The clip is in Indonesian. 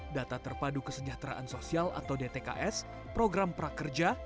data terpadu kesejahteraan sosial atau dtks program prakerja